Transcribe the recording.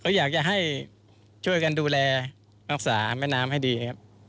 อยากจะให้ช่วยกันดูแลรักษาแม่น้ำให้ดีครับ